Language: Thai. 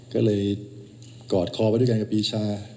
ก็เลยกอดคอไปด้วยกันกับปีชา